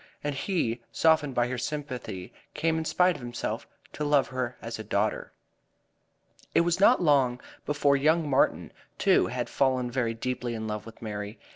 And he, softened by her sympathy, came in spite of himself to love her as a daughter. It was not long before young Martin, too, had fallen very deeply in love with Mary.